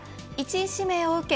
１位指名を受け